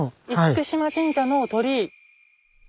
嚴島神社の鳥居。